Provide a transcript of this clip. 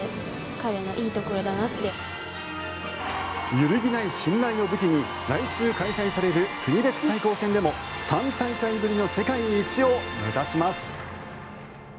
揺るぎない信頼を武器に来週開催される国別対抗戦でも３大会ぶりの世界一を目指します。